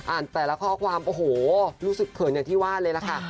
แต่ละข้อความโอ้โหรู้สึกเขินอย่างที่ว่าเลยล่ะค่ะ